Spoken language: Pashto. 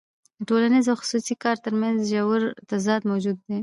د ټولنیز او خصوصي کار ترمنځ ژور تضاد موجود دی